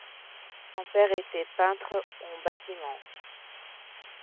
Son père était peintre en bâtiment.